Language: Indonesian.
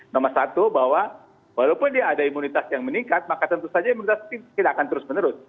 nomor satu bahwa walaupun dia ada imunitas yang meningkat maka tentu saja imunitas tidak akan terus menerus